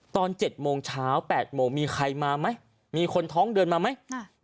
ตอน๗โมงเช้า๘โมงมีใครมาไหมมีคนท้องเดินมาไหม